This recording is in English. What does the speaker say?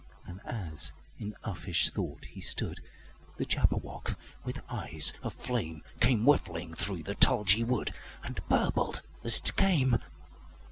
And as in uffish thought he stood, The Jabberwock, with eyes of flame, Came whiffling through the tulgey wood, And burbled as it came!